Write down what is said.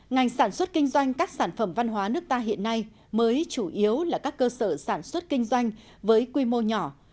ngành sản xuất kinh doanh các sản phẩm văn hóa nước ta hiện nay mới chủ yếu là các cơ sở sản xuất kinh doanh với quy mô nhỏ